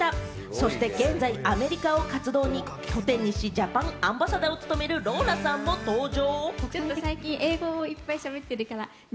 そして現在、アメリカを活動拠点にし、ジャパンアンバサダーを務めるローラさんも登場。